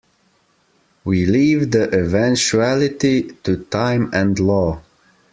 We leave the eventuality to time and law.